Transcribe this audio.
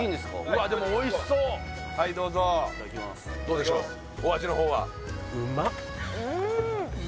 うわっでもおいしそうはいどうぞどうでしょうお味の方はうん！